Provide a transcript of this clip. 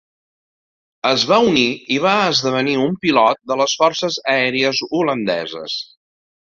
Es va unir i va esdevenir un pilot de les forces aèries holandeses.